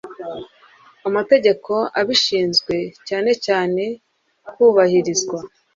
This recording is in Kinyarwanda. amategeko abashinzwe cyane cyane kubahirizwa